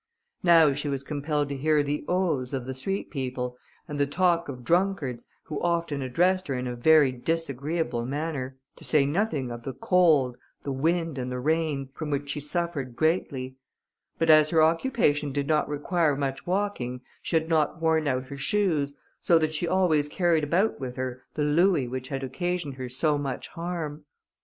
Now, she was compelled to hear the oaths of the street people, and the talk of drunkards, who often addressed her in a very disagreeable manner, to say nothing of the cold, the wind, and the rain, from which she suffered greatly; but as her occupation did not require much walking, she had not worn out her shoes, so that she always carried about with her the louis which had occasioned her so much harm.